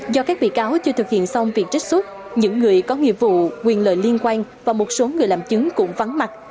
do các bị cáo chưa thực hiện xong việc trích xuất những người có nghiệp vụ quyền lợi liên quan và một số người làm chứng cũng vắng mặt